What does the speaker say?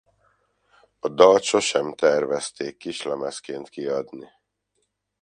A dalt sosem tervezték kislemezként kiadni.